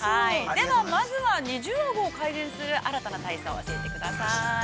◆ではまずは二重あごを改善する、新たな体操を教えてください。